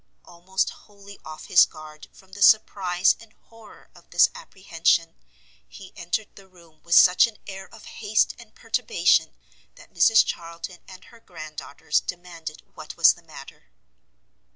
Almost wholly off his guard from the surprise and horror of this apprehension, he entered the room with such an air of haste and perturbation, that Mrs Charlton and her grand daughters demanded what was the matter.